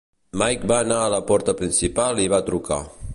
Mike va anar a la porta principal i va trucar.